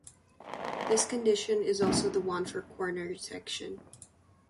This condition is also the one for Corner detection.